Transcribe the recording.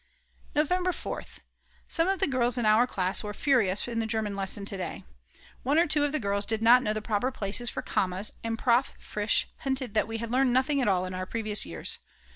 November 4th. Some of the girls in our class were furious in the German lesson to day. One or two of the girls did not know the proper places for commas, and Prof. Fritsch hinted that we had learned nothing at all in previous years.